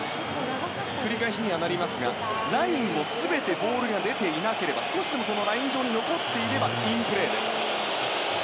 繰り返しにはなりますがラインを全てボールが出てなければ少しでもライン上に残っていればインプレーです。